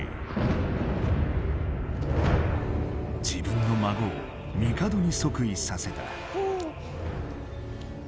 自分の孫を帝に即位させた。